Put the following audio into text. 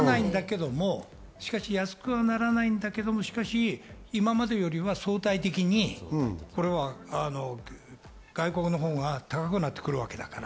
安くはならないけれど、今までよりは相対的に外国のほうが高くなってくるわけだから。